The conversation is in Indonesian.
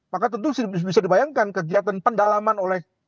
maka tentu bisa dibayangkan kegiatan pendalaman oleh